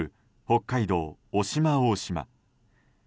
北海道渡島大島。